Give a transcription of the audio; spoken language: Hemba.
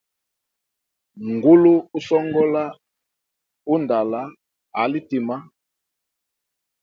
Ngulu usongola undala ali tima.